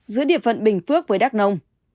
giữa địa phận bình phước với đắk nông